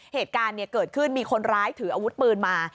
เหตุการณ์เกิดขึ้นมีคนร้ายถืออาวุธปืนมา